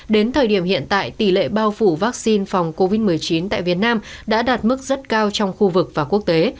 đến thời điểm hiện tại tỷ lệ bao phủ vaccine phòng covid một mươi chín tại việt nam đã đạt mức rất cao trong khu vực và quốc tế